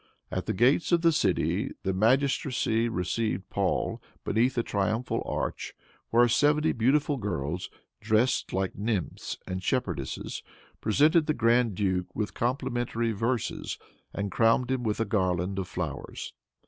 At the gates of the city the magistracy received Paul beneath a triumphal arch, where seventy beautiful girls, dressed like nymphs and shepherdesses, presented the grand duke with complimentary verses, and crowned him with a garland of flowers.